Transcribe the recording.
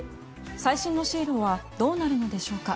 最新の進路はどうなるのでしょうか。